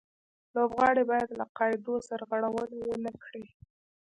لوبغاړي باید له قاعدو سرغړونه و نه کړي.